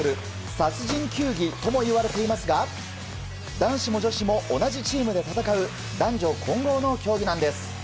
殺人球技ともいわれていますが男子も女子も同じチームで戦う男女混合の競技なんです。